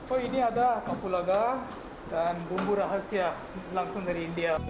oh ini ada kapulaga dan bumbu rahasia langsung dari india